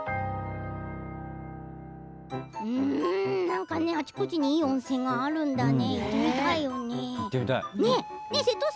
なんかあちこちにいい温泉があるんだね。